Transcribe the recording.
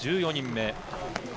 １４人目。